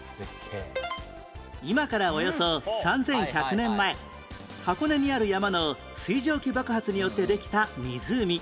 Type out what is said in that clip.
今からおよそ３１００年前箱根にある山の水蒸気爆発によってできた湖